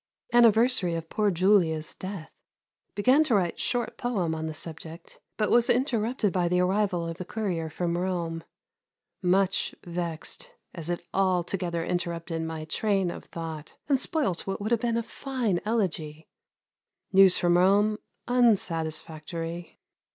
Anniversary of poor Julia's death. Began to write short poem on the subject, but was interrupted by the arrival of the courier from Rome. Much vexed, as it altogether interrupted my train of thought and spoilt what would have been a fine elegy. News from Rome unsatisfactory.